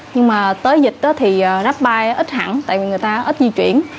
nhưng mà tới dịch thì rắp bay ít hẳn tại vì người ta ít di chuyển